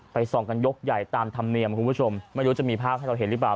ส่องกันยกใหญ่ตามธรรมเนียมคุณผู้ชมไม่รู้จะมีภาพให้เราเห็นหรือเปล่า